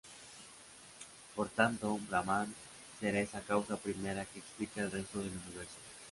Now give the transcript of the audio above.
Por tanto, Brahman será esa causa primera que explica el resto del universo.